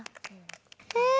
え。